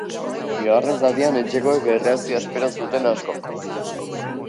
Bigarren zatian etxekoen erreakzioa espero zuten askok.